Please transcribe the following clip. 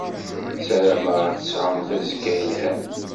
Ssarameɣ ad tesɛumt azekka yelhan.